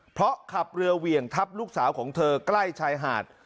เพราะขับเรือเหวี่ยงทับลูกสาวของเธอใกล้ชายหาด